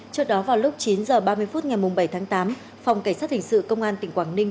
trước đó vào lúc chín h ba mươi phút ngày bảy tháng tám phòng cảnh sát hình sự công an tỉnh quảng ninh